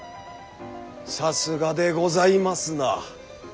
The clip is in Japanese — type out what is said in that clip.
さすがでございますな。